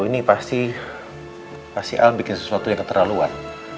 ini pasti al bikin sesuatu yang keterlaluan